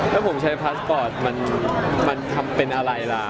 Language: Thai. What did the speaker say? แล้วผมใช้พาสปอร์ตมันทำเป็นอะไรล่ะ